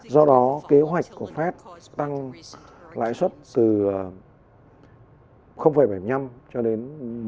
do đó kế hoạch của pháp tăng lãi suất từ bảy mươi năm cho đến một